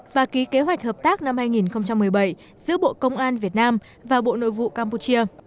và ký kế hoạch hợp tác năm hai nghìn một mươi bảy giữa bộ công an việt nam và bộ nội vụ campuchia